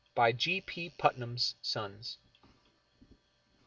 Putnam's Sons.